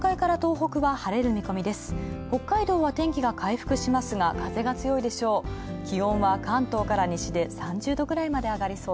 北海道は天気が回復しますが風が強いでしょう。